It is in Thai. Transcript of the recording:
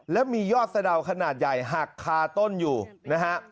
และมียอดสะดาวขนาดใหญ่หักคาต้นอยู่นะฮะ